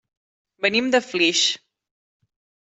Venim de Flix.